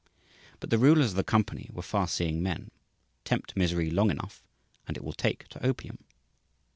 But the rulers of the company were far seeing men. Tempt misery long enough and it will take to opium.